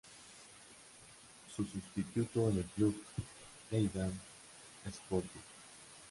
Su sustituto es el Club Lleida Esportiu.